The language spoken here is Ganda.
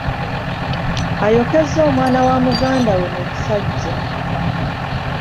Ayokezza omwana wa mugandawe mu busajja.